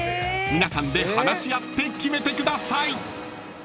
［皆さんで話し合って決めてください］